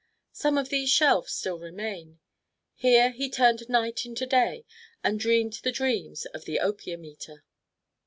Some of these shelves still remain. Here he turned night into day and dreamed the dreams of "The Opium Eater."